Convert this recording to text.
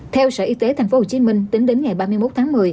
theo sở y tế thành phố hồ chí minh tính đến ngày ba mươi một tháng một mươi